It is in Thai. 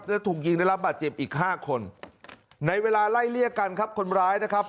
และถูกยิงได้รับบาดเจ็บอีกห้าคนในเวลาไล่เลี่ยกันครับคนร้ายนะครับ